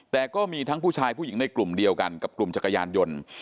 แต่ก็มีทั้งผู้ชายผู้หญิงในกลุ่มเดียวกันกับกลุ่มจักรยานยนต์